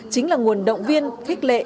chính là nguồn động viên khích lệ